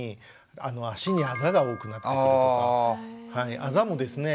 あざもですね